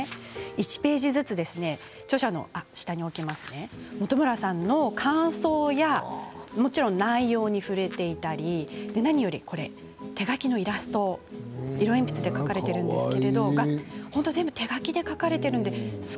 １ページずつモトムラさんの感想やもちろん内容に触れていたり何より手描きのイラスト色鉛筆で描かれているんですけど全部、手描きで描かれています。